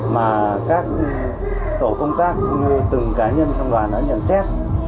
mà các tổ công tác cũng như từng cá nhân trong đoàn đã nhận xét